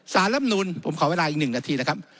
สารรัฐมนูลผมขอเวลาอีก๑นาทีนะครับ